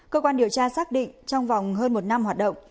cơ quan điều tra xác định trong vòng hơn một năm hoạt động